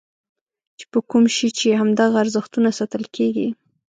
چې په کوم شي چې همدغه ارزښتونه ساتل کېږي.